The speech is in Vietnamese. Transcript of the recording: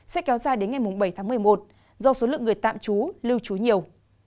sẽ kéo dài đến ngày bảy tháng một mươi một do số lượng người tạm trú lưu trú nhiều